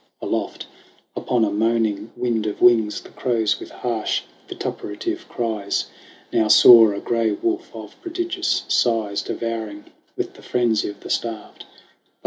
Aloft upon a moaning wind of wings The crows with harsh, vituperative cries Now saw a gray wolf of prodigious size Devouring with the frenzy of the starved.